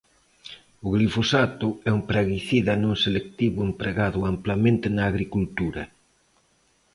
O glifosato é un praguicida non selectivo empregado amplamente na agricultura.